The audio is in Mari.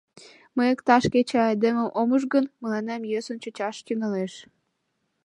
Мый иктаж кече айдемым ом уж гын, мыланем йӧсын чучаш тӱҥалеш.